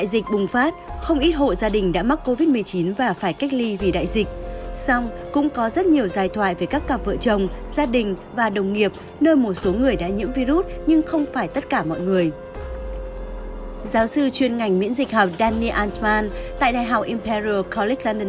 xin chào và hẹn gặp lại các bạn trong những video tiếp theo